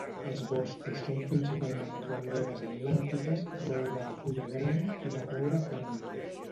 Els boscos són principalment rouredes atlàntiques; roure de fulla gran, i de roure pènol.